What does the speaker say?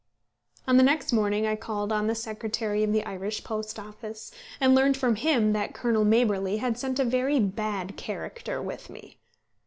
On the next morning I called on the Secretary of the Irish Post Office, and learned from him that Colonel Maberly had sent a very bad character with me.